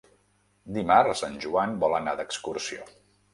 Dimarts en Joan vol anar d'excursió.